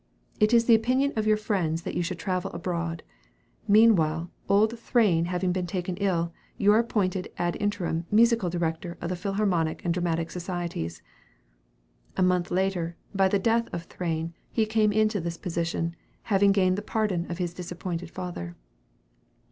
It is the opinion of your friends that you should travel abroad. Meanwhile, old Thrane having been taken ill, you are appointed ad interim Musical Director of the Philharmonic and Dramatic Societies." A month later, by the death of Thrane, he came into this position, having gained the pardon of his disappointed father.